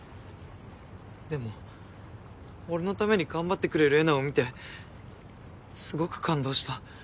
でも俺のために頑張ってくれるえなを見てすごく感動した。